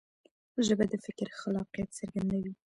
ژبه د فکر خلاقیت څرګندوي.